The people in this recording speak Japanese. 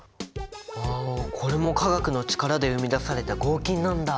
ああこれも化学の力で生み出された合金なんだ。